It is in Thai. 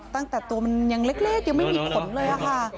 ตั้งแต่ตัวมันยังเล็กยังไม่มีผลเลยค่ะ